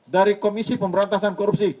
dari komisi pemberantasan korupsi